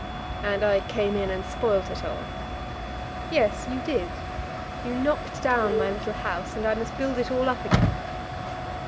"And I came in and spoilt it all." "Yes, you did. You knocked down my little house, and I must build it all up again."